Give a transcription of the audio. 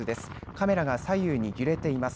カメラが左右に揺れています。